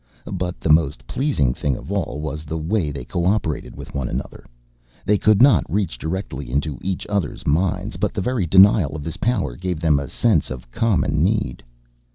But the most pleasing thing of all was the way they cooperated with one another. They could not reach directly into each other's minds but the very denial of this power gave them a sense of common need.